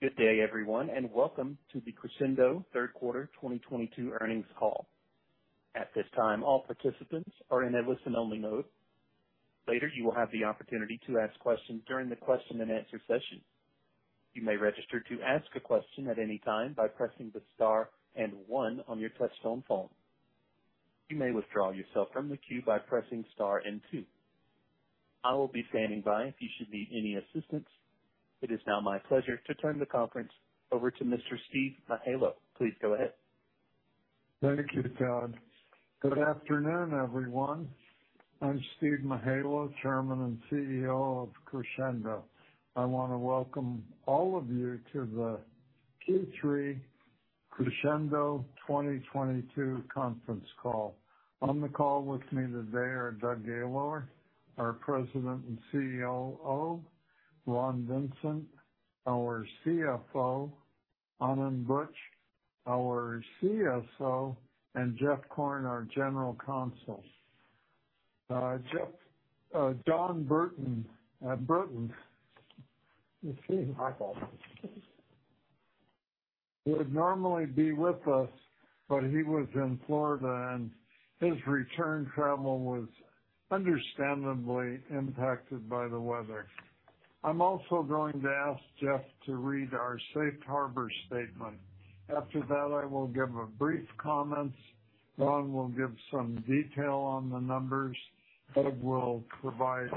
Good day, everyone, and welcome to the Crexendo Third Quarter 2022 Earnings Call. At this time, all participants are in a listen-only mode. Later, you will have the opportunity to ask questions during the question-and-answer session. You may register to ask a question at any time by pressing the star and one on your touch-tone phone. You may withdraw yourself from the queue by pressing star and two. I will be standing by if you should need any assistance. It is now my pleasure to turn the conference over to Mr. Steve Mihaylo. Please go ahead. Thank you, Todd. Good afternoon, everyone. I'm Steve Mihaylo, Chairman and CEO of Crexendo. I wanna welcome all of you to the Q3 Crexendo 2022 conference call. On the call with me today are Doug Gaylor, our President and COO, Ron Vincent, our CFO, Anand Buch, our CSO, and Jeff Korn, our General Counsel. Jon Brinton would normally be with us, but he was in Florida, and his return travel was understandably impacted by the weather. I'm also going to ask Jeff to read our safe harbor statement. After that, I will give a brief comments. Ron will give some detail on the numbers. Doug will provide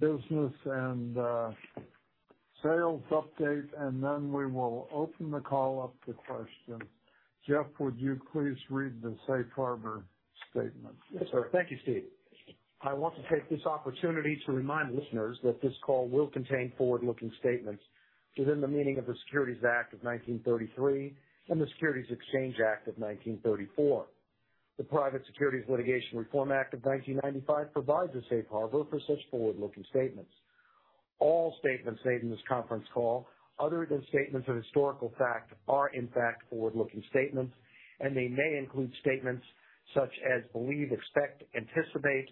business and sales update, and then we will open the call up to questions. Jeff, would you please read the safe harbor statement? Yes, sir. Thank you, Steve. I want to take this opportunity to remind listeners that this call will contain forward-looking statements within the meaning of the Securities Act of 1933 and the Securities Exchange Act of 1934. The Private Securities Litigation Reform Act of 1995 provides a safe harbor for such forward-looking statements. All statements made in this conference call, other than statements of historical fact, are, in fact, forward-looking statements, and they may include statements such as believe, expect, anticipate,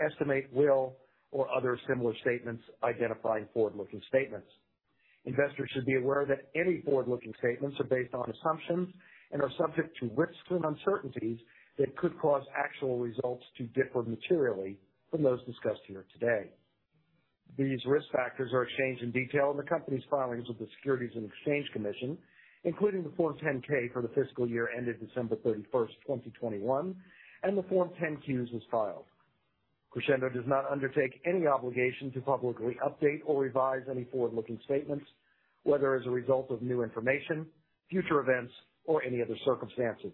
estimate, will, or other similar statements identifying forward-looking statements. Investors should be aware that any forward-looking statements are based on assumptions and are subject to risks and uncertainties that could cause actual results to differ materially from those discussed here today. These risk factors are explained in detail in the company's filings with the Securities and Exchange Commission, including the Form 10-K for the fiscal year ended December 31, 2021, and the Form 10-Qs as filed. Crexendo does not undertake any obligation to publicly update or revise any forward-looking statements, whether as a result of new information, future events, or any other circumstances.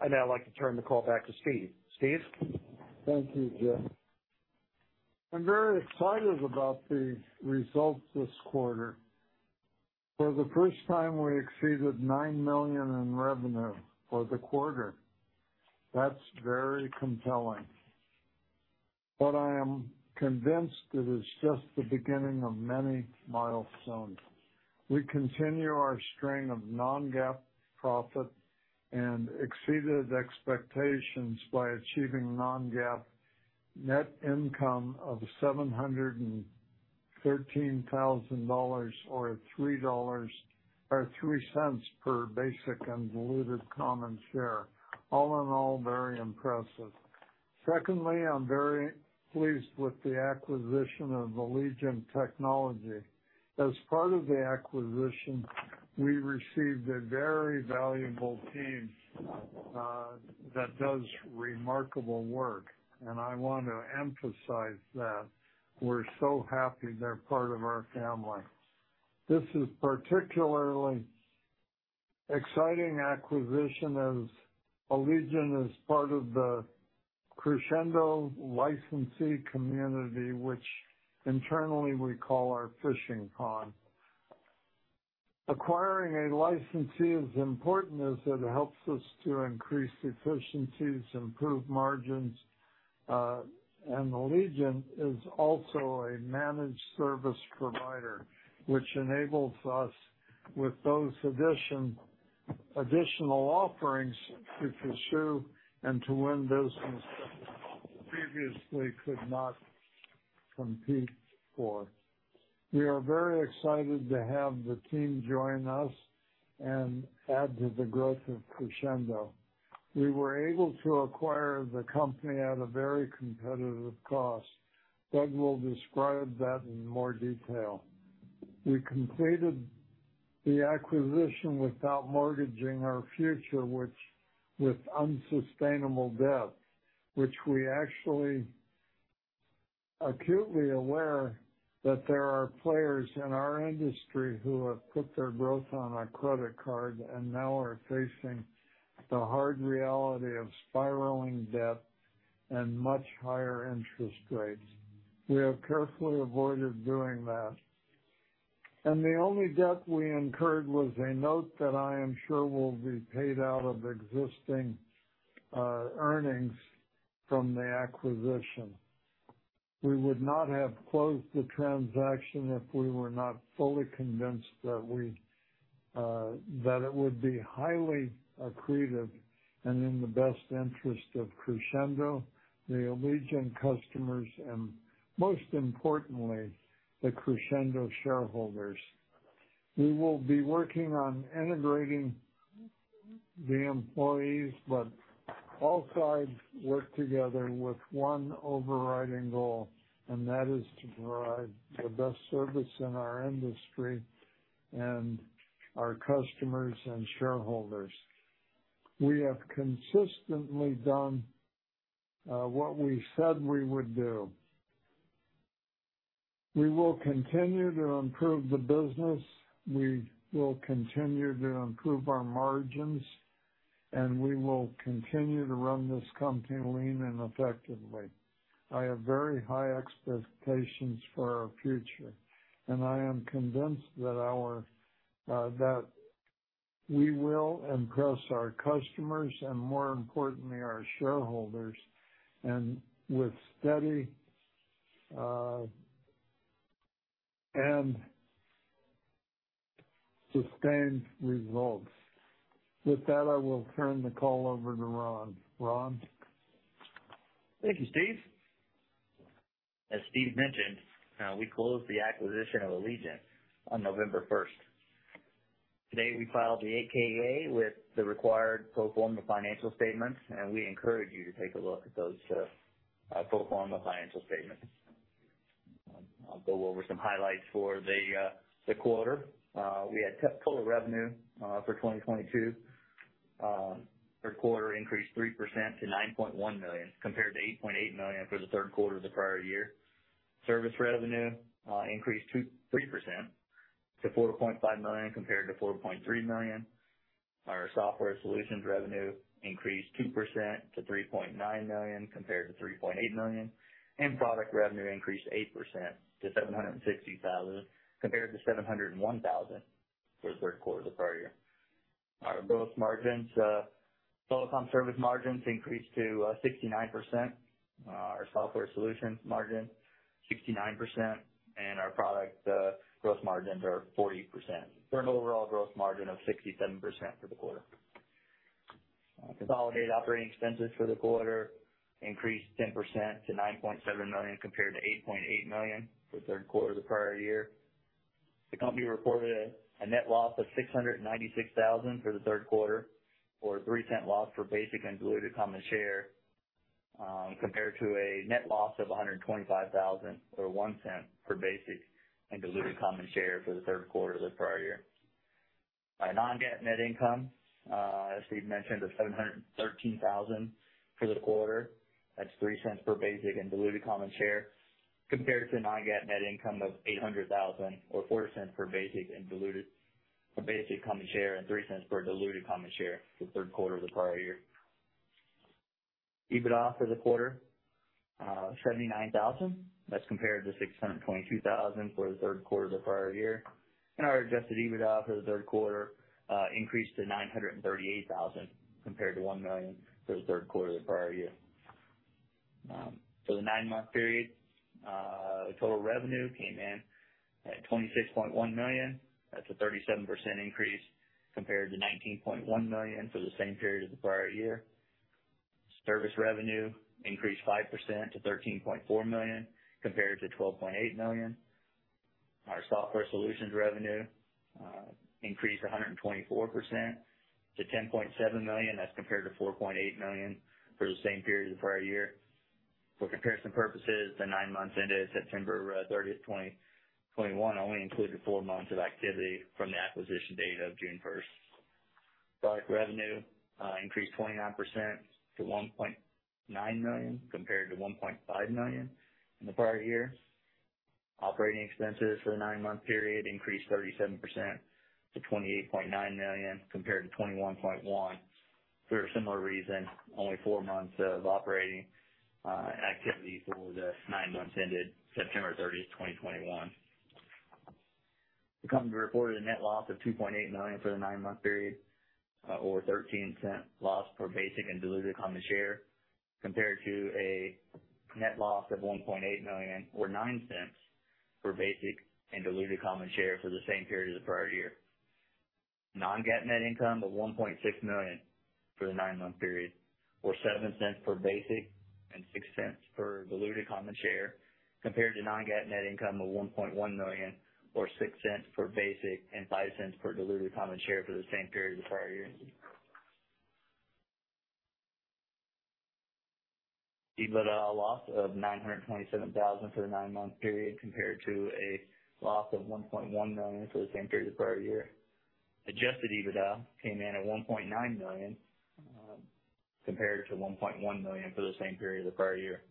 I'd now like to turn the call back to Steve. Steve? Thank you, Jeff. I'm very excited about the results this quarter. For the first time, we exceeded $9 million in revenue for the quarter. That's very compelling. I am convinced it is just the beginning of many milestones. We continue our string of non-GAAP profit and exceeded expectations by achieving non-GAAP net income of $713,000 or $0.03 per basic and diluted common share. All in all, very impressive. Secondly, I'm very pleased with the acquisition of Allegiant Technology. As part of the acquisition, we received a very valuable team that does remarkable work, and I want to emphasize that we're so happy they're part of our family. This is particularly exciting acquisition as Allegiant is part of the Crexendo licensee community, which internally we call our fishing pond. Acquiring a licensee is important as it helps us to increase efficiencies, improve margins, and Allegiant is also a managed service provider, which enables us with those additional offerings to pursue and to win business that we previously could not compete for. We are very excited to have the team join us and add to the growth of Crexendo. We were able to acquire the company at a very competitive cost. Doug will describe that in more detail. We completed the acquisition without mortgaging our future with unsustainable debt, of which we are actually acutely aware that there are players in our industry who have put their growth on a credit card and now are facing the hard reality of spiraling debt and much higher interest rates. We have carefully avoided doing that. The only debt we incurred was a note that I am sure will be paid out of existing earnings from the acquisition. We would not have closed the transaction if we were not fully convinced that it would be highly accretive and in the best interest of Crexendo, the Allegiant customers, and most importantly, the Crexendo shareholders. We will be working on integrating the employees, but all sides work together with one overriding goal, and that is to provide the best service in our industry to our customers and shareholders. We have consistently done what we said we would do. We will continue to improve the business. We will continue to improve our margins, and we will continue to run this company lean and effectively. I have very high expectations for our future, and I am convinced that we will impress our customers, and more importantly, our shareholders, with steady and sustained results. With that, I will turn the call over to Ron. Ron? Thank you, Steve. As Steve mentioned, we closed the acquisition of Allegiant on November first. Today, we filed the 8-K/A with the required pro forma financial statements, and we encourage you to take a look at those pro forma financial statements. I'll go over some highlights for the quarter. We had total revenue for 2022 third quarter increased 3% to $9.1 million, compared to $8.8 million for the third quarter of the prior year. Service revenue increased 3% to $4.5 million compared to $4.3 million. Our software solutions revenue increased 2% to $3.9 million, compared to $3.8 million. Product revenue increased 8% to $760,000, compared to $701,000 for the third quarter of the prior year. Our gross margins, telecom service margins increased to 69%. Our software solutions margin 69%, and our product gross margins are 40%, for an overall gross margin of 67% for the quarter. Consolidated operating expenses for the quarter increased 10% to $9.7 million, compared to $8.8 million for the third quarter of the prior year. The company reported a net loss of $696 thousand for the third quarter or $0.03 loss for basic and diluted common share, compared to a net loss of $125 thousand or $0.01 for basic and diluted common share for the third quarter of the prior year. Our non-GAAP net income, as Steve mentioned, is $713 thousand for the quarter. That's $0.03 per basic and diluted common share. Compared to non-GAAP net income of $800 thousand or $0.04 per basic common share, and $0.03 per diluted common share for the third quarter of the prior year. EBITDA for the quarter, $79 thousand. That's compared to $622 thousand for the third quarter of the prior year. Our adjusted EBITDA for the third quarter increased to $938,000, compared to $1 million for the third quarter of the prior year. For the nine-month period, total revenue came in at $26.1 million. That's a 37% increase compared to $19.1 million for the same period of the prior year. Service revenue increased 5% to $13.4 million, compared to $12.8 million. Our software solutions revenue increased 124% to $10.7 million. That's compared to $4.8 million for the same period of the prior year. For comparison purposes, the nine months ended September thirtieth, 2021 only included four months of activity from the acquisition date of June first. Product revenue increased 29% to $1.9 million, compared to $1.5 million in the prior year. Operating expenses for the nine-month period increased 37% to $28.9 million, compared to $21.1 million. For a similar reason, only four months of operating activity for the nine months ended September 30, 2021. The company reported a net loss of $2.8 million for the nine-month period, or $0.13 loss per basic and diluted common share. Compared to a net loss of $1.8 million or $0.09 for basic and diluted common share for the same period as the prior year. Non-GAAP net income of $1.6 million for the nine-month period, or $0.07 per basic and $0.06 per diluted common share. Compared to non-GAAP net income of $1.1 million or $0.06 per basic and $0.05 per diluted common share for the same period as the prior year. EBITDA loss of $927,000 for the 9-month period, compared to a loss of $1.1 million for the same period the prior year. Adjusted EBITDA came in at $1.9 million, compared to $1.1 million for the same period as the prior year.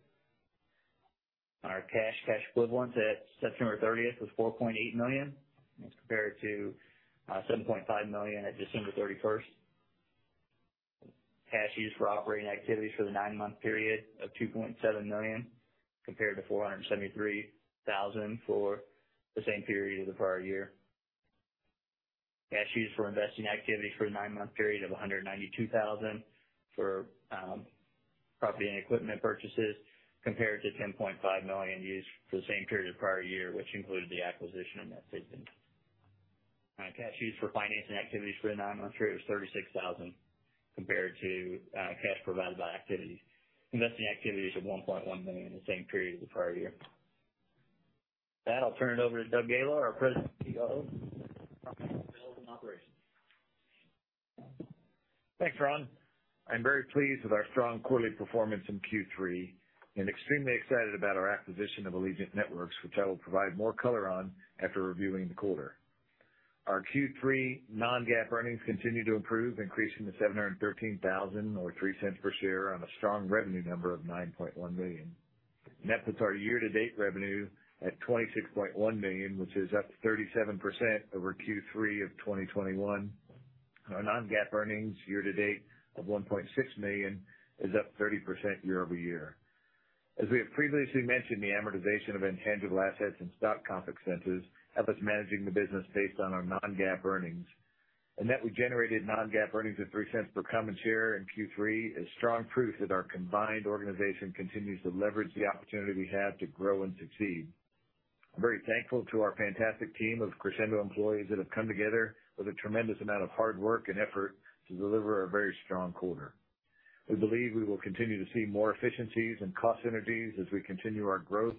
Our cash equivalents at September 30 was $4.8 million. That's compared to $7.5 million at December 31. Cash used for operating activities for the 9-month period of $2.7 million, compared to $473,000 for the same period as the prior year. Cash used for investing activities for the nine-month period was $192,000 for property and equipment purchases compared to $10.5 million used for the same period of the prior year, which included the acquisition of NetSapiens. Cash used for financing activities for the nine-month period was $36,000 compared to cash provided by financing activities of $1.1 million in the same period of the prior year. With that, I'll turn it over to Doug Gaylor, our President and COO, to talk about results and operations. Thanks, Ron. I'm very pleased with our strong quarterly performance in Q3 and extremely excited about our acquisition of Allegiant Networks, which I will provide more color on after reviewing the quarter. Our Q3 non-GAAP earnings continued to improve, increasing to $713,000 or $0.03 per share on a strong revenue number of $9.1 million. That puts our year-to-date revenue at $26.1 million, which is up 37% over Q3 of 2021. Our non-GAAP earnings year to date of $1.6 million is up 30% year-over-year. As we have previously mentioned, the amortization of intangible assets and stock comp expenses have us managing the business based on our non-GAAP earnings, and that we generated non-GAAP earnings of $0.03 per common share in Q3 is strong proof that our combined organization continues to leverage the opportunity we have to grow and succeed. I'm very thankful to our fantastic team of Crexendo employees that have come together with a tremendous amount of hard work and effort to deliver a very strong quarter. We believe we will continue to see more efficiencies and cost synergies as we continue our growth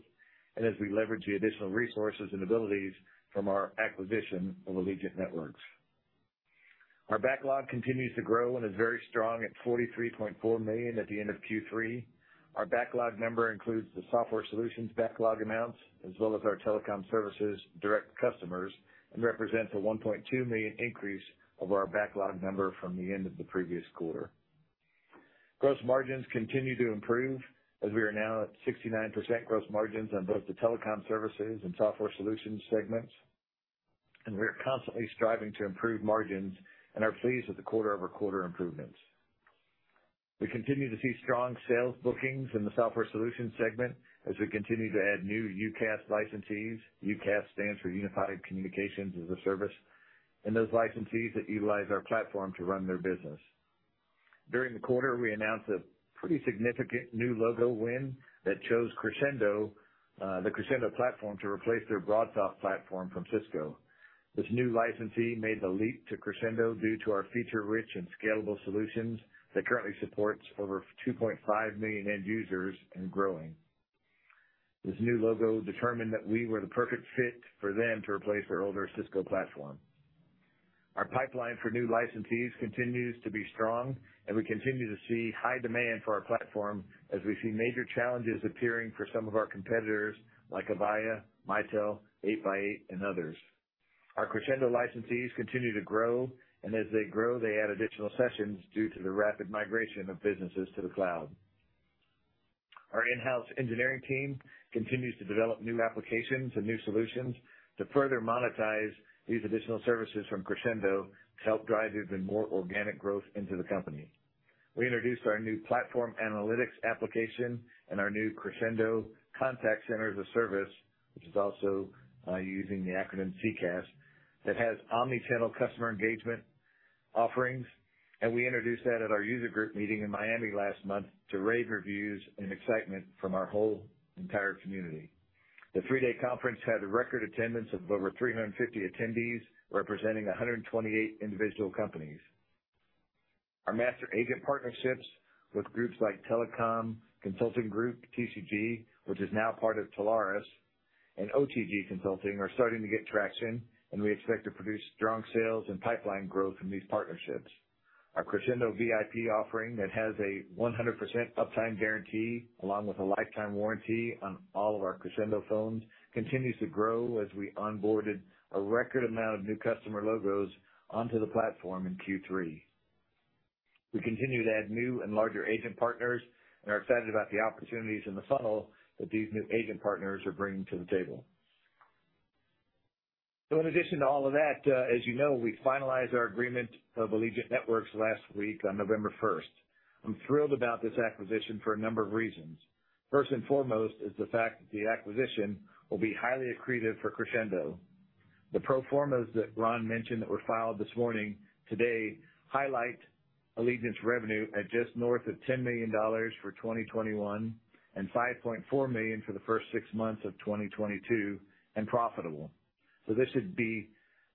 and as we leverage the additional resources and abilities from our acquisition of Allegiant Networks. Our backlog continues to grow and is very strong at $43.4 million at the end of Q3. Our backlog number includes the software solutions backlog amounts, as well as our telecom services direct to customers, and represents a $1.2 million increase over our backlog number from the end of the previous quarter. Gross margins continue to improve as we are now at 69% gross margins on both the telecom services and software solutions segments, and we are constantly striving to improve margins and are pleased with the quarter-over-quarter improvements. We continue to see strong sales bookings in the software solutions segment as we continue to add new UCaaS licensees. UCaaS stands for Unified Communications as a Service, and those licensees that utilize our platform to run their business. During the quarter, we announced a pretty significant new logo win that chose Crexendo, the Crexendo platform to replace their BroadSoft platform from Cisco. This new licensee made the leap to Crexendo due to our feature-rich and scalable solutions that currently supports over 2.5 million end users and growing. This new logo determined that we were the perfect fit for them to replace their older Cisco platform. Our pipeline for new licensees continues to be strong, and we continue to see high demand for our platform as we see major challenges appearing for some of our competitors, like Avaya, Mitel, 8x8 and others. Our Crexendo licensees continue to grow, and as they grow, they add additional sessions due to the rapid migration of businesses to the cloud. Our in-house engineering team continues to develop new applications and new solutions to further monetize these additional services from Crexendo to help drive even more organic growth into the company. We introduced our new platform analytics application and our new Crexendo Contact Center as a Service, which is also, using the acronym CCaaS, that has omni-channel customer engagement offerings. We introduced that at our user group meeting in Miami last month to rave reviews and excitement from our whole entire community. The three-day conference had a record attendance of over 350 attendees, representing 128 individual companies. Our master agent partnerships with groups like Telecom Consulting Group, TCG, which is now part of Telarus, and OTG Consulting, are starting to get traction, and we expect to produce strong sales and pipeline growth from these partnerships. Our Crexendo VIP offering that has a 100% uptime guarantee, along with a lifetime warranty on all of our Crexendo phones, continues to grow as we onboarded a record amount of new customer logos onto the platform in Q3. We continue to add new and larger agent partners and are excited about the opportunities in the funnel that these new agent partners are bringing to the table. In addition to all of that, as you know, we finalized our acquisition of Allegiant Networks last week on November 1. I'm thrilled about this acquisition for a number of reasons. First and foremost is the fact that the acquisition will be highly accretive for Crexendo. The pro formas that Ron mentioned that were filed this morning, today, highlight Allegiant's revenue at just north of $10 million for 2021 and $5.4 million for the first six months of 2022, and profitable. This should be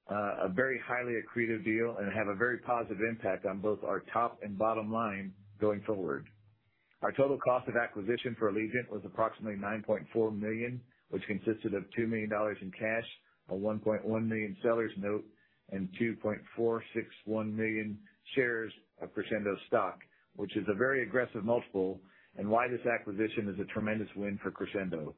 a very highly accretive deal and have a very positive impact on both our top and bottom line going forward. Our total cost of acquisition for Allegiant was approximately $9.4 million, which consisted of $2 million in cash, a $1.1 million seller's note, and 2.461 million shares of Crexendo stock, which is a very aggressive multiple, and why this acquisition is a tremendous win for Crexendo.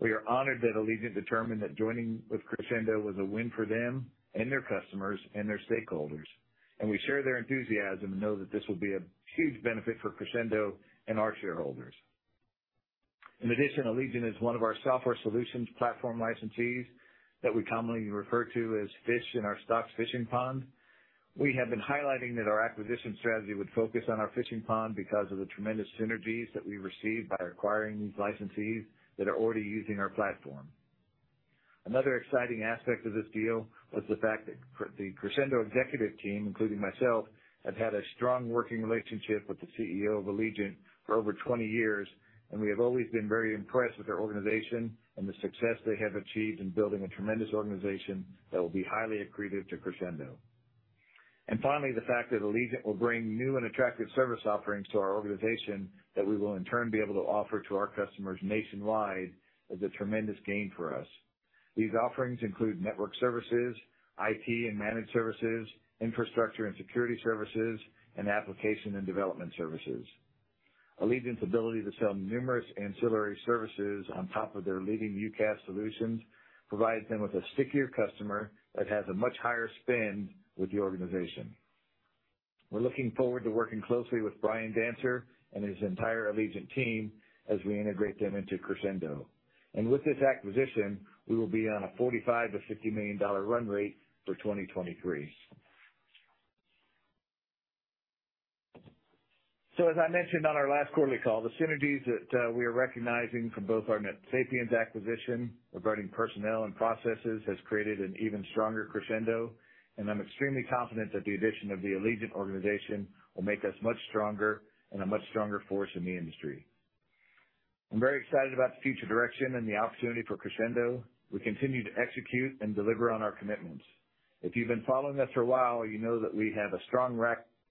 We are honored that Allegiant determined that joining with Crexendo was a win for them and their customers and their stakeholders, and we share their enthusiasm and know that this will be a huge benefit for Crexendo and our shareholders. In addition, Allegiant is one of our software solutions platform licensees that we commonly refer to as fish in our stock fishing pond. We have been highlighting that our acquisition strategy would focus on our fishing pond because of the tremendous synergies that we receive by acquiring these licensees that are already using our platform. Another exciting aspect of this deal was the fact that the Crexendo executive team, including myself, have had a strong working relationship with the CEO of Allegiant for over 20 years, and we have always been very impressed with their organization and the success they have achieved in building a tremendous organization that will be highly accretive to Crexendo. Finally, the fact that Allegiant will bring new and attractive service offerings to our organization that we will in turn be able to offer to our customers nationwide is a tremendous gain for us. These offerings include network services, IT and managed services, infrastructure and security services, and application and development services. Allegiant's ability to sell numerous ancillary services on top of their leading UCaaS solutions provides them with a stickier customer that has a much higher spend with the organization. We're looking forward to working closely with Bryan Dancer and his entire Allegiant team as we integrate them into Crexendo. With this acquisition, we will be on a $45-$50 million run rate for 2023. As I mentioned on our last quarterly call, the synergies that we are recognizing from both our NetSapiens acquisition regarding personnel and processes has created an even stronger Crexendo, and I'm extremely confident that the addition of the Allegiant organization will make us much stronger and a much stronger force in the industry. I'm very excited about the future direction and the opportunity for Crexendo. We continue to execute and deliver on our commitments. If you've been following us for a while, you know that we have a strong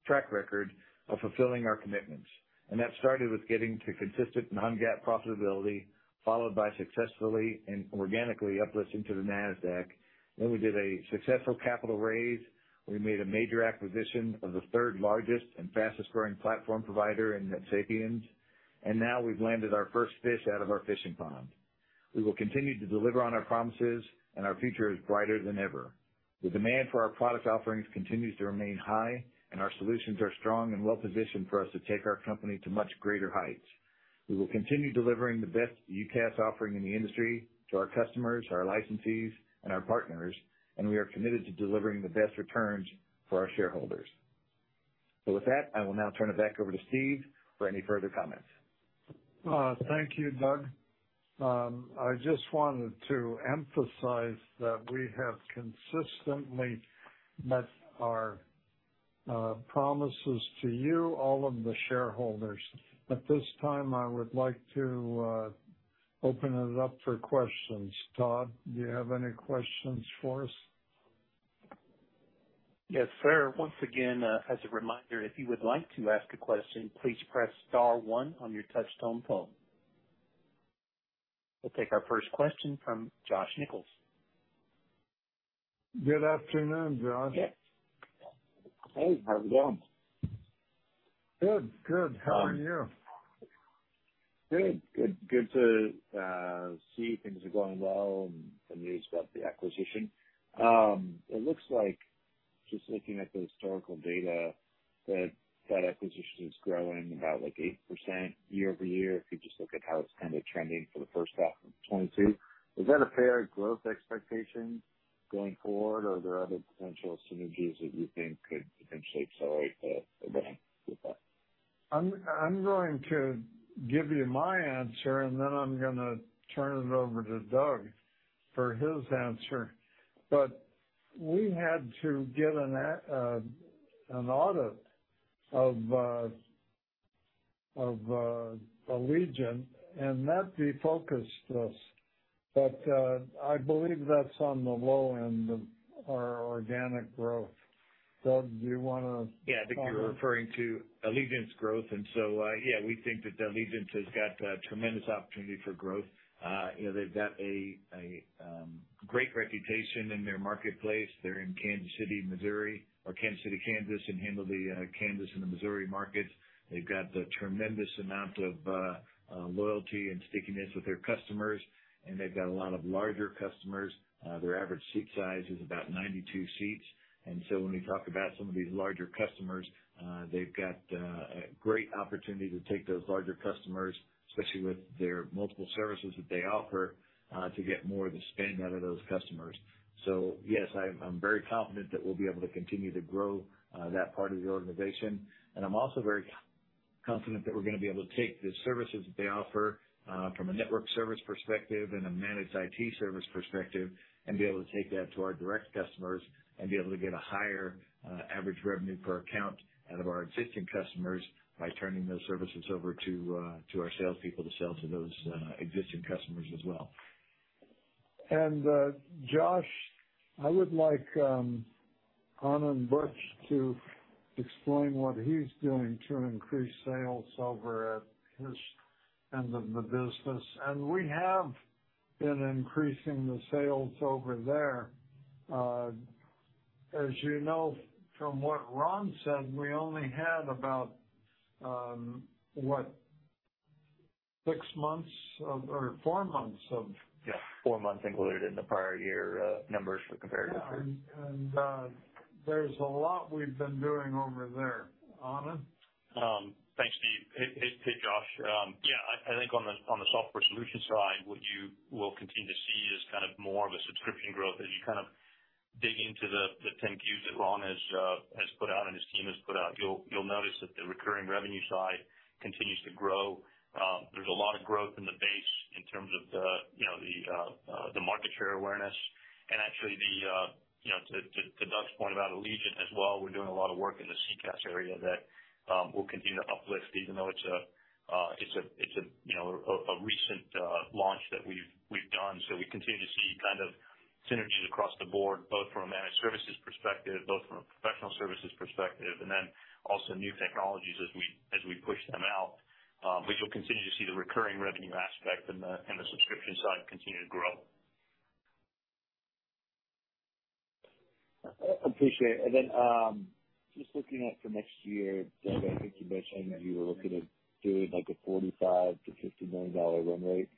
track record of fulfilling our commitments, and that started with getting to consistent non-GAAP profitability, followed by successfully and organically uplisting to the Nasdaq. We did a successful capital raise. We made a major acquisition of the third largest and fastest growing platform provider of NetSapiens, and now we've landed our first fish out of our fishing pond. We will continue to deliver on our promises, and our future is brighter than ever. The demand for our product offerings continues to remain high, and our solutions are strong and well-positioned for us to take our company to much greater heights. We will continue delivering the best UCaaS offering in the industry to our customers, our licensees, and our partners, and we are committed to delivering the best returns for our shareholders. With that, I will now turn it back over to Steve for any further comments. Thank you, Doug. I just wanted to emphasize that we have consistently met our promises to you, all of the shareholders. At this time, I would like to open it up for questions. Todd, do you have any questions for us? Yes, sir. Once again, as a reminder, if you would like to ask a question, please press star one on your touchtone phone. We'll take our first question from Josh Nichols. Good afternoon, Josh. Yeah. Hey, how's it going? Good. Good. How are you? Good. Good to see things are going well and the news about the acquisition. It looks like, just looking at the historical data, that acquisition is growing about, like, 8% year-over-year, if you just look at how it's kinda trending for the first half of 2022. Is that a fair growth expectation going forward, or are there other potential synergies that you think could potentially accelerate the growth with that? I'm going to give you my answer, and then I'm gonna turn it over to Doug for his answer. We had to get an audit of Allegiant, and that refocused us. I believe that's on the low end of our organic growth. Doug, do you wanna comment? Yeah. I think you're referring to Allegiant's growth. Yeah, we think that Allegiant has got tremendous opportunity for growth. You know, they've got a great reputation in their marketplace. They're in Kansas City, Missouri, or Kansas City, Kansas, and handle the Kansas and the Missouri markets. They've got a tremendous amount of loyalty and stickiness with their customers, and they've got a lot of larger customers. Their average seat size is about 92 seats, and so when we talk about some of these larger customers, they've got a great opportunity to take those larger customers, especially with their multiple services that they offer, to get more of the spend out of those customers. Yes, I'm very confident that we'll be able to continue to grow that part of the organization. I'm also very confident that we're gonna be able to take the services that they offer, from a network service perspective and a managed IT service perspective, and be able to take that to our direct customers and be able to get a higher average revenue per account out of our existing customers by turning those services over to our salespeople to sell to those existing customers as well. Josh, I would like Anand Buch to explain what he's doing to increase sales over at his end of the business. We have been increasing the sales over there. As you know, from what Ron said, we only had about six months or four months of Yeah, four months included in the prior year, numbers for comparative purposes. Yeah, there's a lot we've been doing over there. Anand? Thanks, Steve. Hey, Josh. Yeah, I think on the software solution side, what you will continue to see is kind of more of a subscription growth as you kind of Dig into the 10-Q that Ron has put out and his team has put out. You'll notice that the recurring revenue side continues to grow. There's a lot of growth in the base in terms of the market share awareness, and actually to Doug's point about Allegiant as well, we're doing a lot of work in the CCaaS area that we'll continue to uplift even though it's a recent launch that we've done. We continue to see kind of synergies across the board, both from a managed services perspective, both from a professional services perspective, and then also new technologies as we push them out. You'll continue to see the recurring revenue aspect and the subscription side continue to grow. Appreciate it. Just looking out for next year, Doug, I think you mentioned you were looking at doing like a $45 million-$50 million run rate.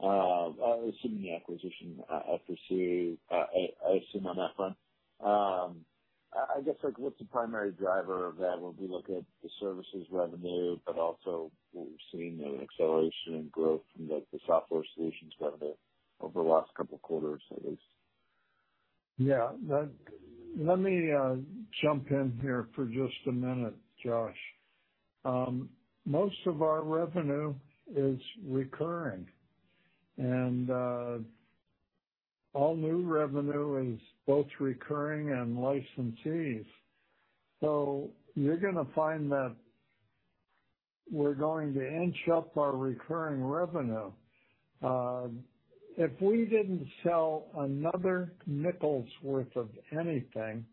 Assuming the acquisition I pursue, I assume on that front. I guess, like, what's the primary driver of that when we look at the services revenue, but also we're seeing an acceleration in growth from the software solutions revenue over the last couple of quarters, I guess. Yeah. Let me jump in here for just a minute, Josh. Most of our revenue is recurring, and all new revenue is both recurring and licensed. You're gonna find that we're going to inch up our recurring revenue. If we didn't sell another nickel's worth of anything,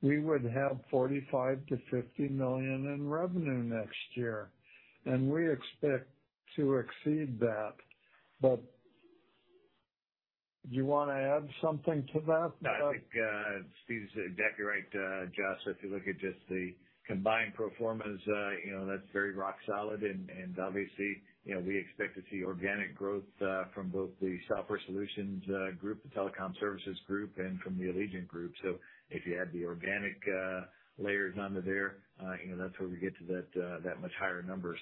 we would have $45 million-$50 million in revenue next year, and we expect to exceed that. Do you wanna add something to that, Doug? No, I think Steve's exactly right, Josh. If you look at just the combined pro formas, you know, that's very rock solid. Obviously, you know, we expect to see organic growth from both the software solutions group, the telecom services group, and from the Allegiant group. If you add the organic layers onto there, you know, that's where we get to that much higher number.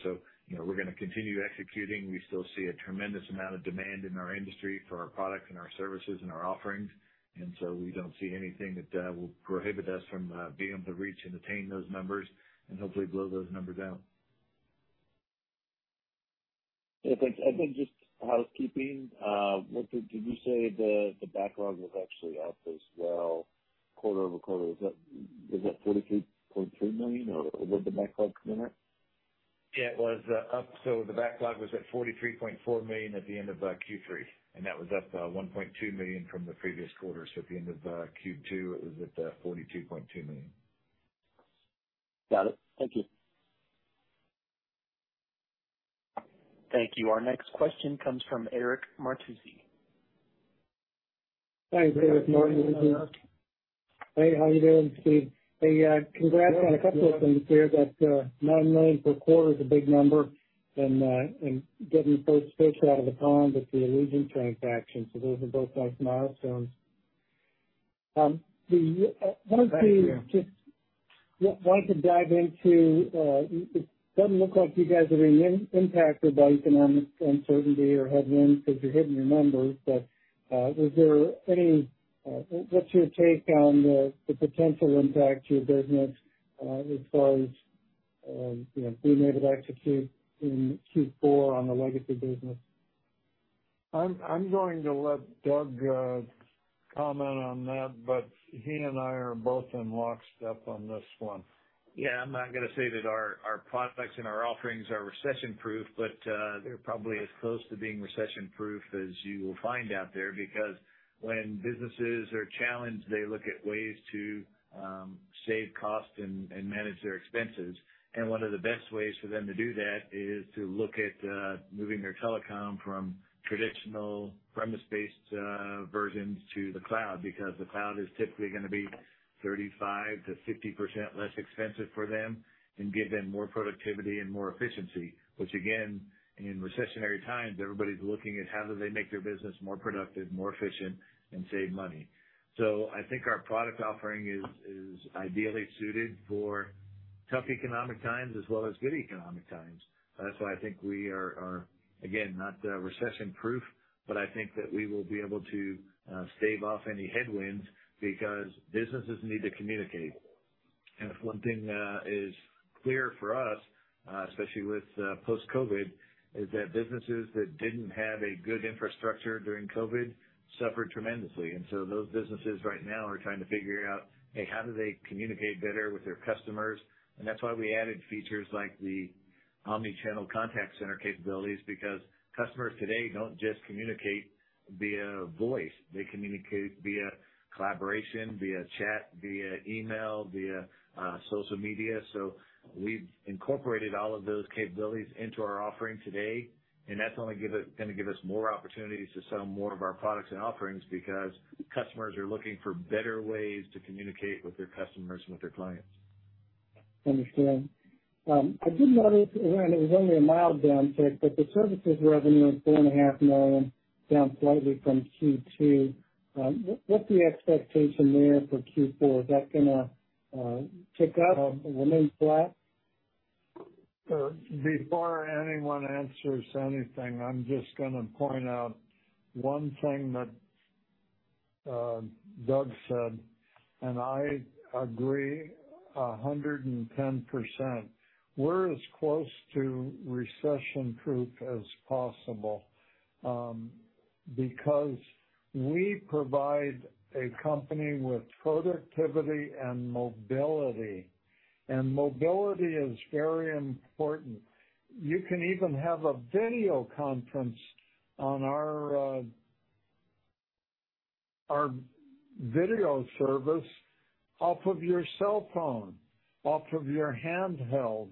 You know, we're gonna continue executing. We still see a tremendous amount of demand in our industry for our products and our services and our offerings. We don't see anything that will prohibit us from being able to reach and attain those numbers and hopefully blow those numbers out. Yeah, thanks. I think just housekeeping. Doug, did you say the backlog was actually up as well quarter-over-quarter? Is that $43.3 million, or where'd the backlog come in at? Yeah, it was up, so the backlog was at $43.4 million at the end of Q3, and that was up $1.2 million from the previous quarter. At the end of Q2, it was at $42.2 million. Got it. Thank you. Thank you. Our next question comes from Eric Martinuzzi. Thanks. Eric Martinuzzi Hi, Eric. Hey, how you doing, Steve? Hey, congrats on a couple of things there. That $9 million per quarter is a big number and getting the first fish out of the pond with the Allegiant transaction. Those are both nice milestones. Wanted to Thanks, Eric. Just wanted to dive into, it doesn't look like you guys are being impacted by economic uncertainty or headwinds because you're hitting your numbers. Is there any, what's your take on the potential impact to your business, as far as, you know, being able to execute in Q4 on the legacy business? I'm going to let Doug comment on that, but he and I are both in lockstep on this one. Yeah. I'm not gonna say that our products and our offerings are recession-proof, but they're probably as close to being recession-proof as you will find out there. Because when businesses are challenged, they look at ways to save costs and manage their expenses. One of the best ways for them to do that is to look at moving their telecom from traditional premise-based versions to the cloud, because the cloud is typically gonna be 35%-50% less expensive for them and give them more productivity and more efficiency. Which again, in recessionary times, everybody's looking at how do they make their business more productive, more efficient, and save money. I think our product offering is ideally suited for tough economic times as well as good economic times. That's why I think we are again not recession-proof, but I think that we will be able to stave off any headwinds because businesses need to communicate. If one thing is clear for us, especially with post-COVID, it is that businesses that didn't have a good infrastructure during COVID suffered tremendously. Those businesses right now are trying to figure out, hey, how do they communicate better with their customers. That's why we added features like the omnichannel contact center capabilities, because customers today don't just communicate via voice. They communicate via collaboration, via chat, via email, via social media. We've incorporated all of those capabilities into our offering today, and that's only gonna give us more opportunities to sell more of our products and offerings because customers are looking for better ways to communicate with their customers and with their clients. Understand. I did notice, and it was only a mild downtick, but the services revenue of $4.5 million down slightly from Q2. What's the expectation there for Q4? Is that gonna tick up, remain flat? Before anyone answers anything, I'm just gonna point out one thing that Doug said, and I agree 110%. We're as close to recession-proof as possible, because we provide a company with productivity and mobility, and mobility is very important. You can even have a video conference on our video service off of your cell phone, off of your handheld.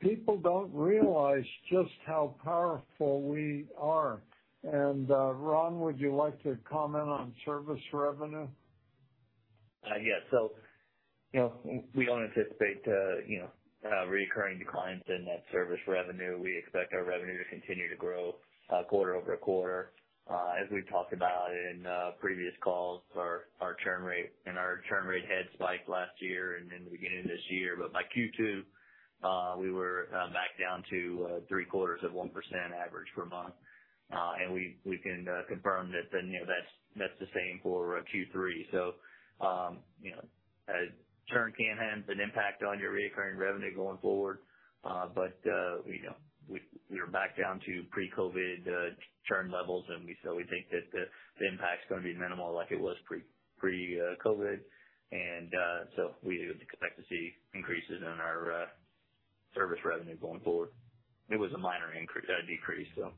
People don't realize just how powerful we are. Ron, would you like to comment on service revenue? Yes. You know, we don't anticipate recurring declines in that service revenue. We expect our revenue to continue to grow quarter-over-quarter. As we've talked about in previous calls, our churn rate had spiked last year and in the beginning of this year, but by Q2, we were back down to three quarters of 1% average per month. We can confirm that that's the same for Q3. You know, churn can have an impact on your recurring revenue going forward. But we are back down to pre-COVID churn levels, and we think that the impact's gonna be minimal like it was pre-COVID. We expect to see increases in our service revenue going forward. It was a minor increase, decrease, so.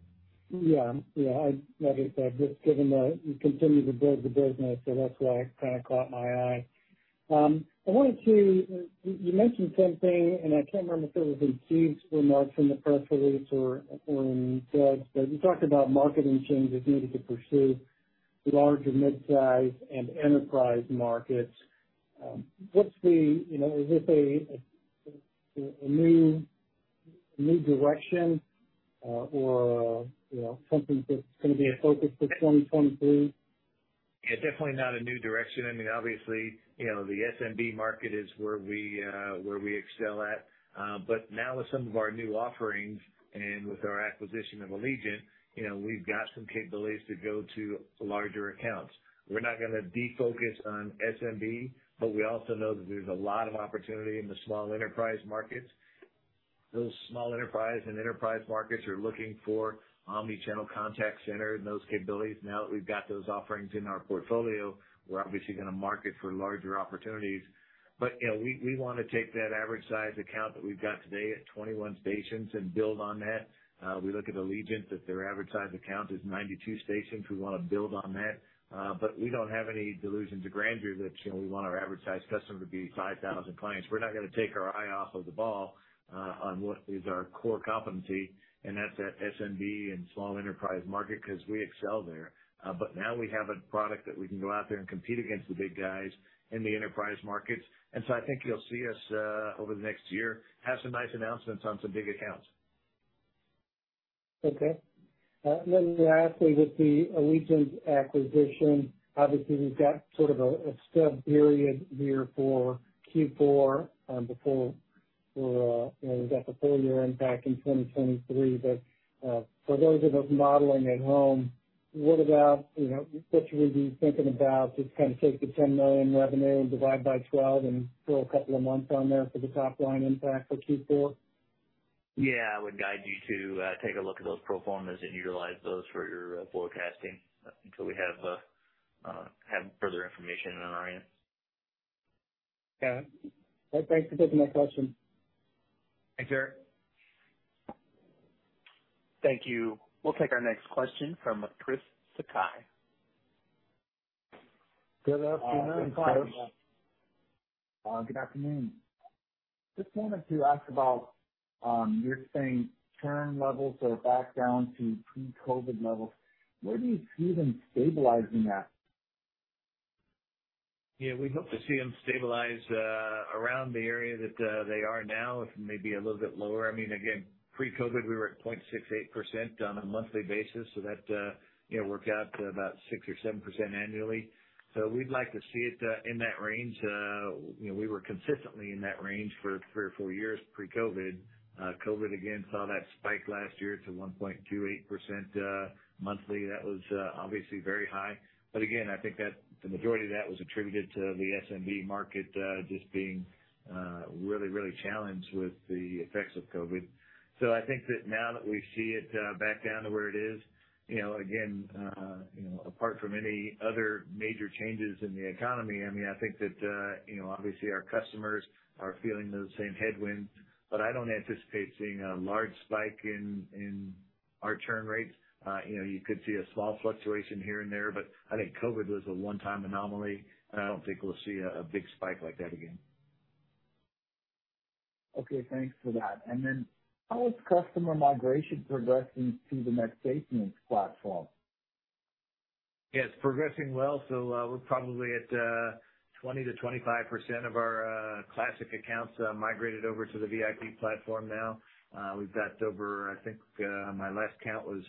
Yeah. Yeah, I just given that you continue to build the business, so that's why it kind of caught my eye. I wanted to, you mentioned something, and I can't remember if it was in Steve's remarks from the press release or in Doug's, but you talked about marketing changes needed to pursue larger midsize and enterprise markets. What's the, you know, is this a new direction, or, you know, something that's gonna be a focus for 2023? It's definitely not a new direction. I mean, obviously, you know, the SMB market is where we, where we excel at. But now with some of our new offerings and with our acquisition of Allegiant, you know, we've got some capabilities to go to larger accounts. We're not gonna de-focus on SMB, but we also know that there's a lot of opportunity in the small enterprise markets. Those small enterprise and enterprise markets are looking for omni-channel contact center and those capabilities. Now that we've got those offerings in our portfolio, we're obviously gonna market for larger opportunities. You know, we wanna take that average size account that we've got today at 21 stations and build on that. We look at Allegiant, that their average size account is 92 stations. We wanna build on that. We don't have any delusions of grandeur that, you know, we want our average size customer to be 5,000 clients. We're not gonna take our eye off of the ball on what is our core competency, and that's that SMB and small enterprise market, 'cause we excel there. Now we have a product that we can go out there and compete against the big guys in the enterprise markets. I think you'll see us over the next year have some nice announcements on some big accounts. Okay. Lastly, with the Allegiant acquisition, obviously we've got sort of a stub period here for Q4, before we're, you know, we've got the full year impact in 2023. For those of us modeling at home, what about, you know, what should we be thinking about to kind of take the $10 million revenue and divide by 12 and throw a couple of months on there for the top line impact for Q4? Yeah. I would guide you to take a look at those pro formas and utilize those for your forecasting until we have further information on our end. Okay. Thanks. That's my question. Thanks, Eric. Thank you. We'll take our next question from Chris Sakai. Good afternoon, Chris Good afternoon. Just wanted to ask about you're saying churn levels are back down to pre-COVID levels. Where do you see them stabilizing at? Yeah, we hope to see them stabilize around the area that they are now, if maybe a little bit lower. I mean, again, pre-COVID we were at 0.68% on a monthly basis, so that you know, worked out to about 6%-7% annually. We'd like to see it in that range. You know, we were consistently in that range for 3-4 years pre-COVID. COVID, again, saw that spike last year to 1.28% monthly. That was obviously very high. But again, I think that the majority of that was attributed to the SMB market just being really, really challenged with the effects of COVID. I think that now that we see it back down to where it is, you know, again, you know, apart from any other major changes in the economy, I mean, I think that, you know, obviously, our customers are feeling those same headwinds, but I don't anticipate seeing a large spike in our churn rates. You know, you could see a small fluctuation here and there, but I think COVID was a one-time anomaly, and I don't think we'll see a big spike like that again. Okay. Thanks for that. How is customer migration progressing to the NetSapiens platform? Yeah, it's progressing well. We're probably at 20%-25% of our classic accounts migrated over to the VIP platform now. We've got over, I think, my last count was,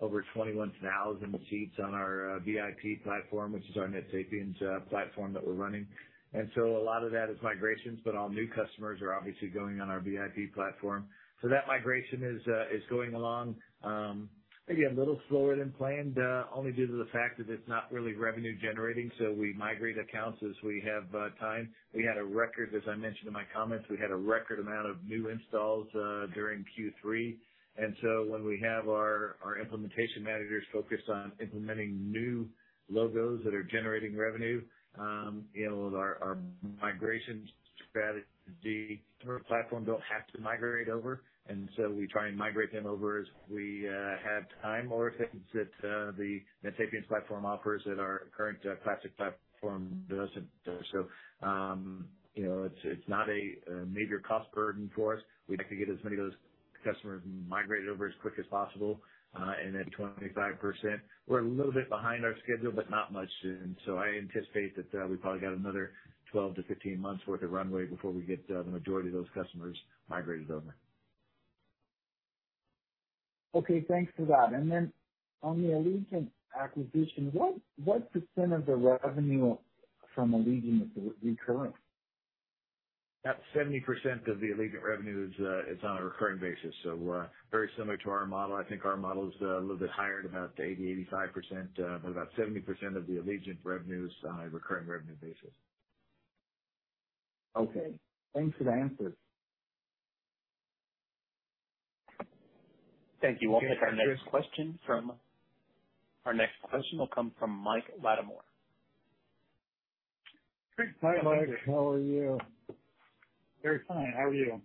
over 21,000 seats on our VIP platform, which is our NetSapiens platform that we're running. A lot of that is migrations, but all new customers are obviously going on our VIP platform. That migration is going along maybe a little slower than planned only due to the fact that it's not really revenue generating, so we migrate accounts as we have time. We had a record amount of new installs during Q3, as I mentioned in my comments. When we have our implementation managers focused on implementing new logos that are generating revenue, you know, our migration strategy current platform don't have to migrate over. We try and migrate them over as we have time or if it's the NetSapiens platform offers that our current classic platform doesn't. You know, it's not a major cost burden for us. We'd like to get as many of those customers migrated over as quick as possible. At 25%, we're a little bit behind our schedule, but not much. I anticipate that we probably got another 12-15 months worth of runway before we get the majority of those customers migrated over. Okay, thanks for that. Then on the Allegiant acquisition, what percentage of the revenue from Allegiant is recurring? About 70% of the Allegiant revenue is on a recurring basis. Very similar to our model. I think our model is a little bit higher to about 85%, but about 70% of the Allegiant revenue is on a recurring revenue basis. Okay, thanks for the answers. Thank you. Our next question will come from Michael Latimore. Hi, Mike, how are you? Very fine. How are you?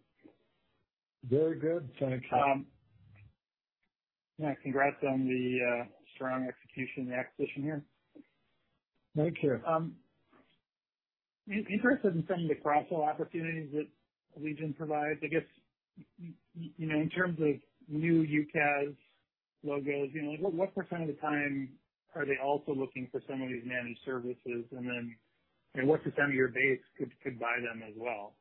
Very good, thanks. Yeah, congrats on the strong execution and the acquisition here. Thank you. Interested in some of the cross-sell opportunities that Allegiant provides. I guess, you know, in terms of new UCaaS logos, you know, what percent of the time are they also looking for some of these managed services? What percent of your base could buy them as well?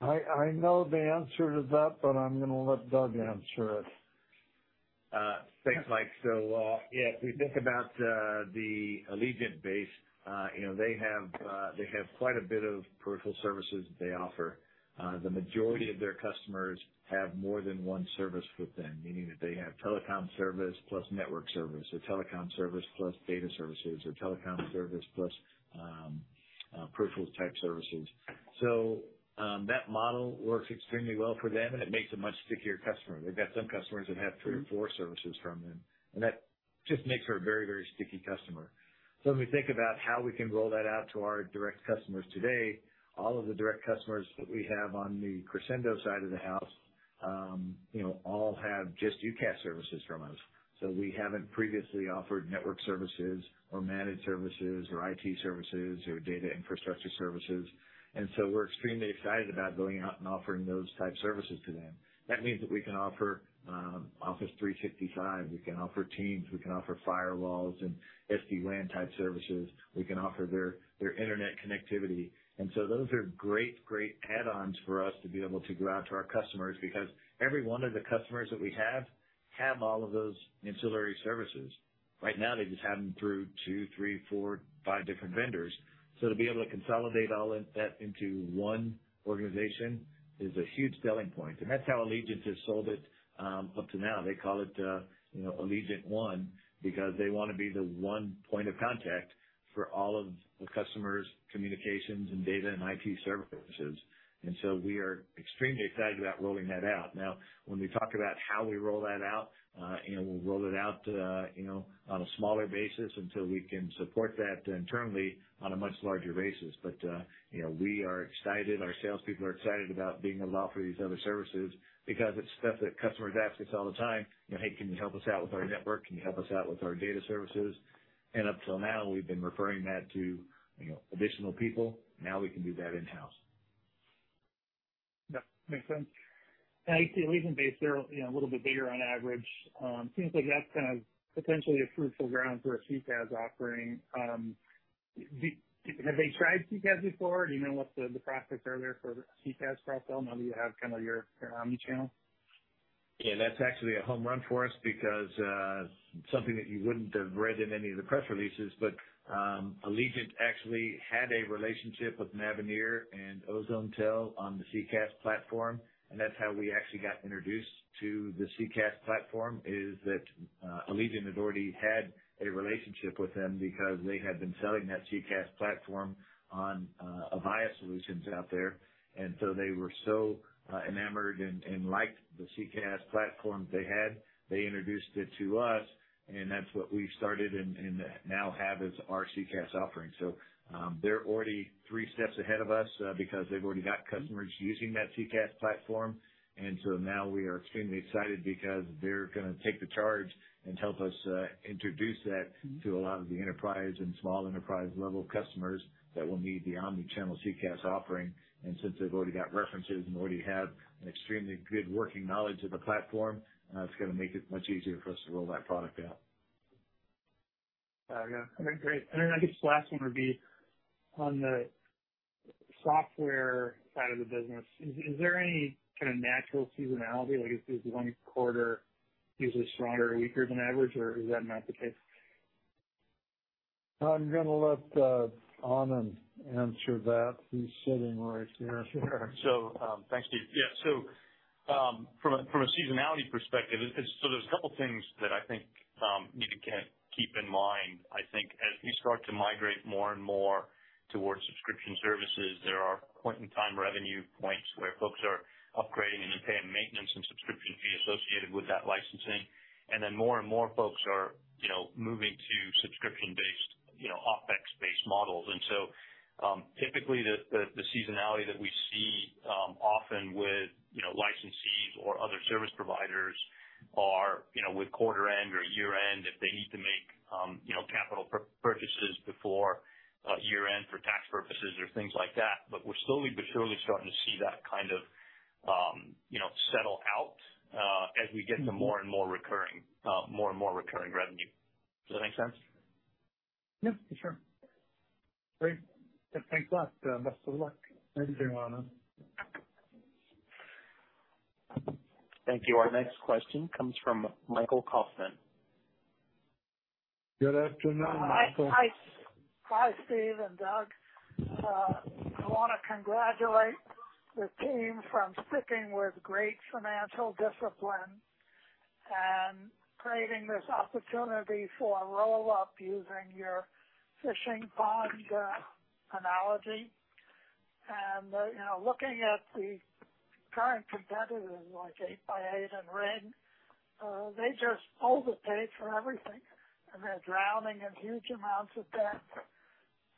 I know the answer to that, but I'm gonna let Doug answer it. Thanks, Mike. Yeah, if we think about the Allegiant base, you know, they have quite a bit of peripheral services that they offer. The majority of their customers have more than one service with them, meaning that they have telecom service plus network service, or telecom service plus data services, or telecom service plus peripheral type services. That model works extremely well for them, and it makes a much stickier customer. They've got some customers that have three or four services from them, and that just makes for a very sticky customer. When we think about how we can roll that out to our direct customers today, all of the direct customers that we have on the Crexendo side of the house, you know, all have just UCaaS services from us. We haven't previously offered network services or managed services or IT services or data infrastructure services. We're extremely excited about going out and offering those type services to them. That means that we can offer Office 365, we can offer Teams, we can offer firewalls and SD-WAN type services. We can offer their internet connectivity. Those are great add-ons for us to be able to go out to our customers, because every one of the customers that we have have all of those ancillary services. Right now, they just have them through 2, 3, 4, 5 different vendors. To be able to consolidate all of that into one organization is a huge selling point. That's how Allegiant has sold it up to now. They call it, you know, Allegiant One, because they wanna be the one point of contact for all of the customer's communications and data and IT services. We are extremely excited about rolling that out. Now, when we talk about how we roll that out, you know, we'll roll it out, you know, on a smaller basis until we can support that internally on a much larger basis. But, you know, we are excited. Our salespeople are excited about being able to offer these other services because it's stuff that customers ask us all the time, you know, "Hey, can you help us out with our network? Can you help us out with our data services?" Up till now, we've been referring that to, you know, additional people. Now we can do that in-house. Yeah, makes sense. I see Allegiant base, they're a little bit bigger on average. Seems like that's kind of potentially a fruitful ground for a CCaaS offering. Have they tried CCaaS before? Do you know what the prospects are there for CCaaS cross-sell now that you have kind of your omnichannel? Yeah, that's actually a home run for us because something that you wouldn't have read in any of the press releases, but Allegiant actually had a relationship with Mavenir and Ozonetel on the CCaaS platform, and that's how we actually got introduced to the CCaaS platform, is that Allegiant had already had a relationship with them because they had been selling that CCaaS platform on Avaya solutions out there. They were so enamored and liked the CCaaS platform they had. They introduced it to us, and that's what we started and now have as our CCaaS offering. They're already three steps ahead of us because they've already got customers using that CCaaS platform. Now we are extremely excited because they're gonna take charge and help us introduce that to a lot of the enterprise and small enterprise level customers that will need the omni-channel CCaaS offering. Since they've already got references and already have an extremely good working knowledge of the platform, it's gonna make it much easier for us to roll that product out. Yeah. Okay, great. I guess the last one would be on the software side of the business, is there any kind of natural seasonality? Like, is one quarter usually stronger or weaker than average, or is that not the case? I'm gonna let Anand answer that. He's sitting right here. Thanks, Steve. Yeah. From a seasonality perspective, there's a couple things that I think you can keep in mind. I think as we start to migrate more and more towards subscription services, there are point-in-time revenue points where folks are upgrading and then paying maintenance and subscription fee associated with that licensing. And then more and more folks are, you know, moving to subscription-based, you know, OpEx-based models. Typically the seasonality that we see often with, you know, licensees or other service providers are, you know, with quarter end or year end, if they need to make, you know, capital purchases before year end for tax purposes or things like that. We're slowly but surely starting to see that kind of, you know, settle out, as we get to more and more recurring revenue. Does that make sense? Yeah, sure. Great. Thanks a lot. Best of luck. Thank you very much. Thank you. Our next question comes from Michael Kaufman. Good afternoon, Michael. Hi, Steve and Doug. I wanna congratulate the team for sticking with great financial discipline and creating this opportunity for a roll-up using your fishing pond analogy. You know, looking at the current competitors, like 8x8 and RingCentral, they just overpay for everything, and they're drowning in huge amounts of debt.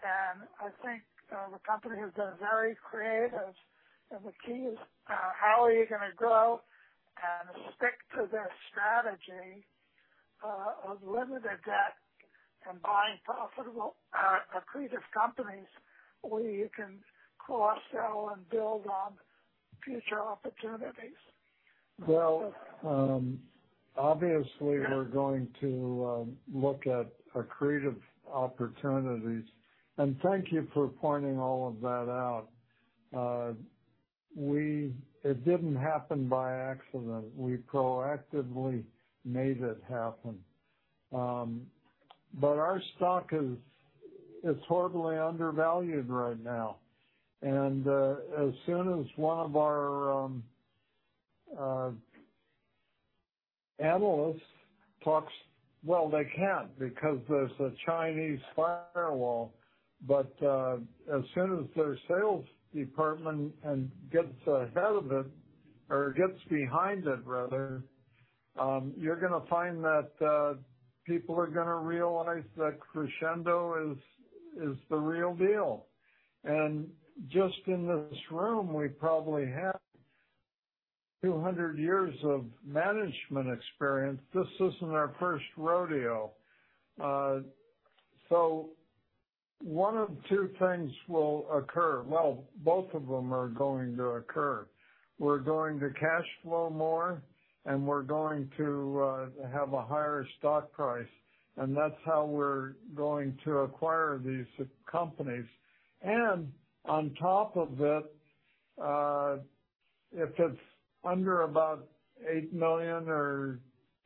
I think the company has been very creative, and the key is, how are you gonna grow and stick to this strategy of limited debt and buying profitable accretive companies where you can cross-sell and build on future opportunities? Well, obviously we're going to look at accretive opportunities. Thank you for pointing all of that out. It didn't happen by accident. We proactively made it happen. Our stock is horribly undervalued right now. As soon as one of our analysts talks, they can't because there's a Chinese firewall. As soon as their sales department gets ahead of it, or gets behind it, rather, you're gonna find that people are gonna realize that Crexendo is the real deal. Just in this room, we probably have 200 years of management experience. This isn't our first rodeo. One of two things will occur. Well, both of them are going to occur. We're going to cash flow more, and we're going to have a higher stock price, and that's how we're going to acquire these S-companies. On top of it, if it's under about $8 million or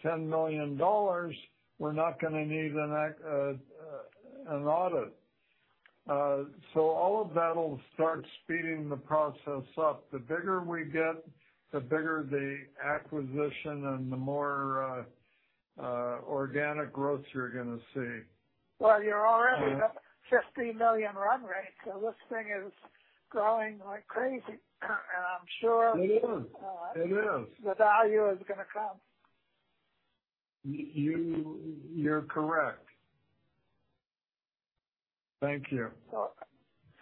$10 million, we're not gonna need an audit. All of that'll start speeding the process up. The bigger we get, the bigger the acquisition and the more organic growth you're gonna see. Well, you're already at $50 million run rate, so this thing is growing like crazy. I'm sure It is. the value is gonna come. You, you're correct. Thank you.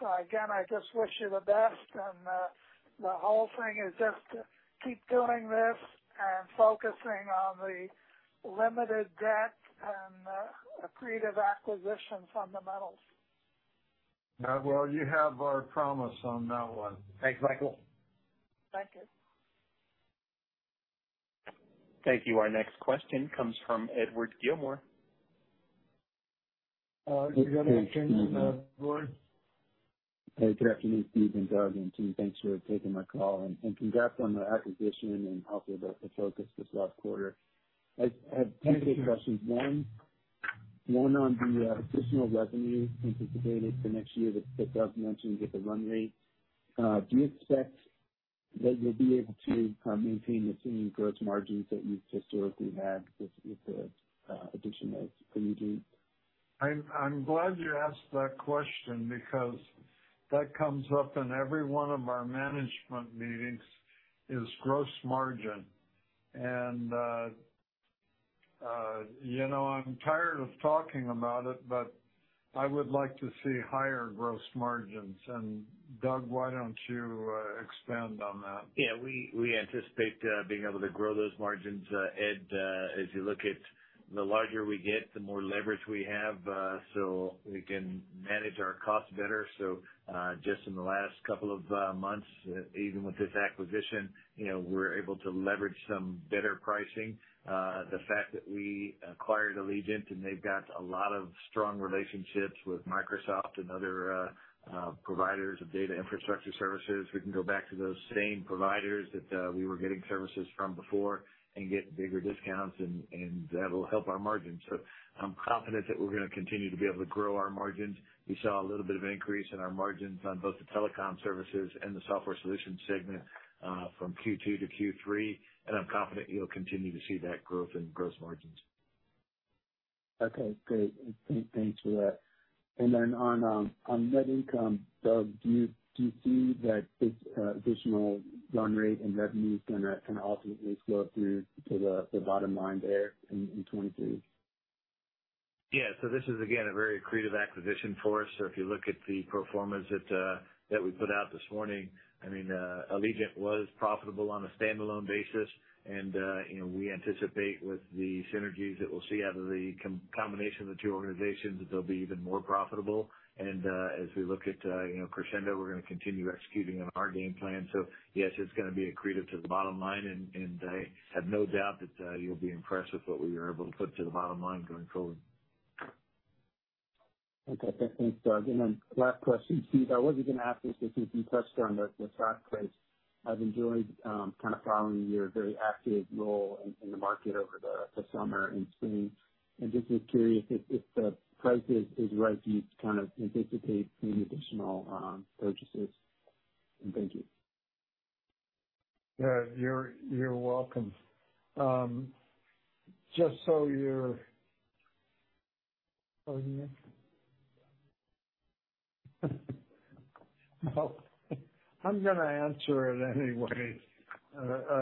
Again, I just wish you the best. The whole thing is just to keep doing this and focusing on the limited debt and accretive acquisition fundamentals. Well, you have our promise on that one. Thanks, Michael. Thank you. Thank you. Our next question comes from Edward Gilmore. You got it changed, Edward? Hey, good afternoon, Steve and Doug and team. Thanks for taking my call. Congrats on the acquisition and also the focus this last quarter. I have two quick questions. One on the additional revenue anticipated for next year that Doug mentioned with the run rate. Do you expect that you'll be able to maintain the same gross margins that you've historically had with the additional revenue? I'm glad you asked that question because that comes up in every one of our management meetings, is gross margin. You know, I'm tired of talking about it, but I would like to see higher gross margins. Doug, why don't you expand on that? Yeah, we anticipate being able to grow those margins, Ed, as you look at. The larger we get, the more leverage we have, so we can manage our costs better. Just in the last couple of months, even with this acquisition, you know, we're able to leverage some better pricing. The fact that we acquired Allegiant, and they've got a lot of strong relationships with Microsoft and other providers of data infrastructure services, we can go back to those same providers that we were getting services from before and get bigger discounts, and that'll help our margins. I'm confident that we're gonna continue to be able to grow our margins. We saw a little bit of increase in our margins on both the telecom services and the software solution segment, from Q2 to Q3, and I'm confident you'll continue to see that growth in gross margins. Okay, great. Thanks for that. On net income, Doug, do you see that this additional run rate and revenue's gonna ultimately flow through to the bottom line there in 2023? Yeah. This is, again, a very accretive acquisition for us. If you look at the pro formas that we put out this morning, I mean, Allegiant was profitable on a standalone basis. You know, we anticipate with the synergies that we'll see out of the combination of the two organizations, that they'll be even more profitable. As we look at, you know, Crexendo, we're gonna continue executing on our game plan. Yes, it's gonna be accretive to the bottom line, and I have no doubt that you'll be impressed with what we are able to put to the bottom line going forward. Okay. Thanks, Doug. Last question, Steve, I was gonna ask this, since you touched on the stock price. I've enjoyed kind of following your very active role in the market over the summer and spring. Just was curious if the price is right, do you kind of anticipate any additional purchases? Thank you. You're welcome. Well, I'm gonna answer it anyway,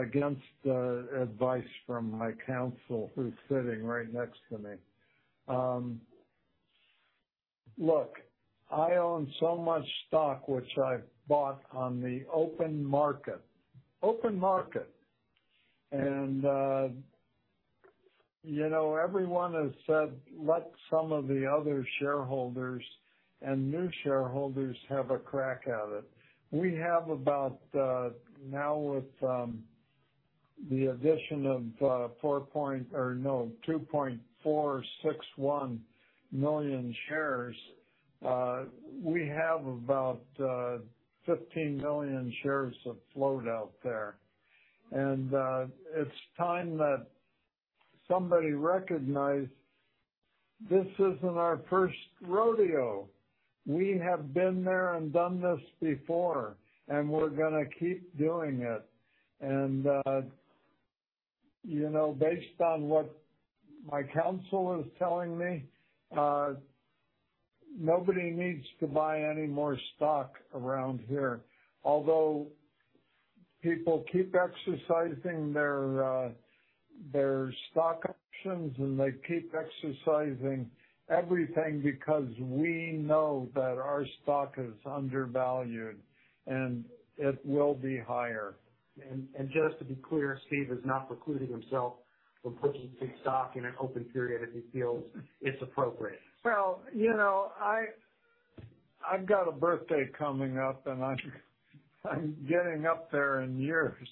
against the advice from my counsel, who's sitting right next to me. Look, I own so much stock, which I bought on the open market. You know, everyone has said, "Let some of the other shareholders and new shareholders have a crack at it." We have about, now with the addition of 2.461 million shares, we have about 15 million shares of float out there. It's time that somebody recognized this isn't our first rodeo. We have been there and done this before, and we're gonna keep doing it. You know, based on what my counsel is telling me, nobody needs to buy any more stock around here. Although people keep exercising their stock options, and they keep exercising everything because we know that our stock is undervalued, and it will be higher. Just to be clear, Steve is not precluding himself from purchasing stock in an open period if he feels it's appropriate. Well, you know, I've got a birthday coming up, and I'm getting up there in years.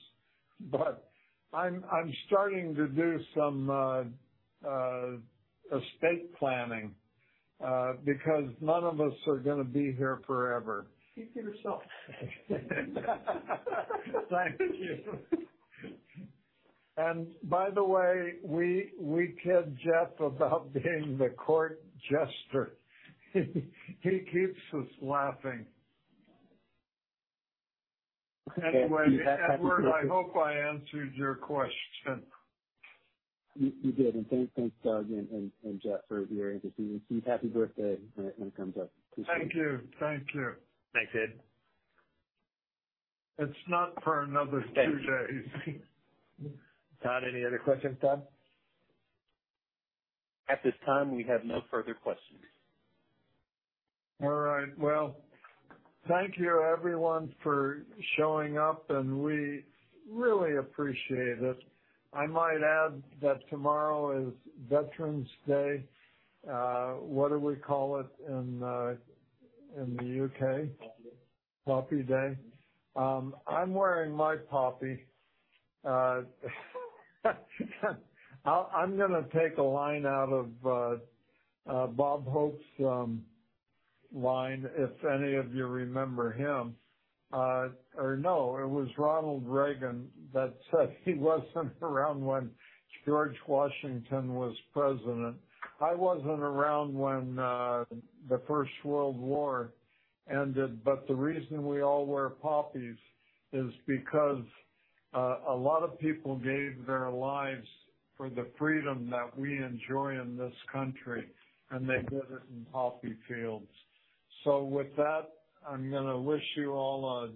I'm starting to do some estate planning, because none of us are gonna be here forever. Speak for yourself. Thank you. By the way, we kid Jeff about being the court jester. He keeps us laughing. Anyway, Edward, I hope I answered your question. You did. Thanks, Doug and Jeff for your answers. Steve, happy birthday when it comes up. Appreciate it. Thank you. Thank you. Thanks, Ed. It's not for another few days. Todd, any other questions, Todd? At this time, we have no further questions. All right. Well, thank you everyone for showing up, and we really appreciate it. I might add that tomorrow is Veterans Day. What do we call it in the U.K.? Poppy Day. Poppy Day. I'm wearing my poppy. I'm gonna take a line out of Bob Hope's line, if any of you remember him. Or no, it was Ronald Reagan that said he wasn't around when George Washington was president. I wasn't around when the First World War ended, but the reason we all wear poppies is because a lot of people gave their lives for the freedom that we enjoy in this country, and they did it in poppy fields. With that, I'm gonna wish you all a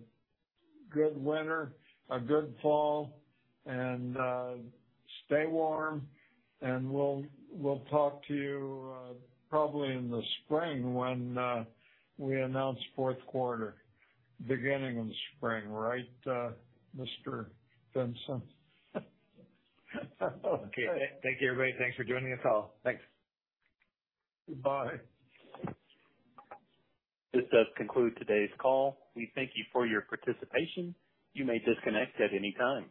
good winter, a good fall, and stay warm, and we'll talk to you probably in the spring when we announce fourth quarter. Beginning of the spring, right, Ron Vincent? Okay. Thank you, everybody. Thanks for joining us all. Thanks. Goodbye. This does conclude today's call. We thank you for your participation. You may disconnect at any time.